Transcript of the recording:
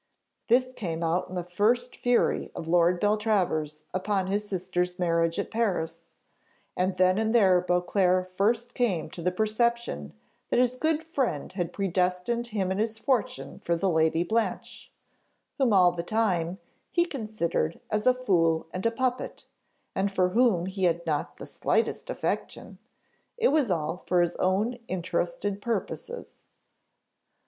This came out in the first fury of Lord Beltravers upon his sister's marriage at Paris: and then and there Beauclerc first came to the perception that his good friend had predestined him and his fortune for the Lady Blanche, whom, all the time, he considered as a fool and a puppet, and for whom he had not the slightest affection: it was all for his own interested purposes.